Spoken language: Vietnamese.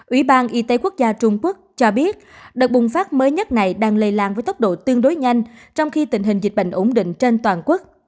ủy ban y tế quốc gia trung quốc cho biết đợt bùng phát mới nhất này đang lây lan với tốc độ tương đối nhanh trong khi tình hình dịch bệnh ổn định trên toàn quốc